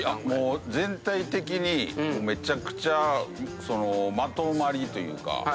全体的にめちゃくちゃまとまりというか。